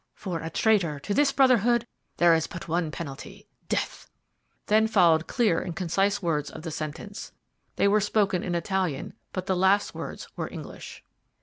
"For a traitor to this Brotherhood there is but one penalty. Death!" Then followed clear and concise the words of the sentence. They were spoken in Italian, but the last words were English.